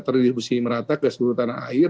terdiri berusia merata ke seluruh tanah air